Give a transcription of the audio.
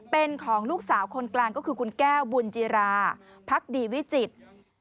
เป็นของลูกสาวคนกลางก็คือคุณแก้วบุญจิราพักดีวิจิตร